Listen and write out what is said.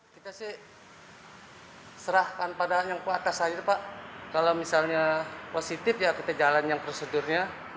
kita sih serahkan pada yang ke atas saja pak kalau misalnya positif ya kita jalanin prosedurnya